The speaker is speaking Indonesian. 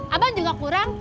abang juga kurang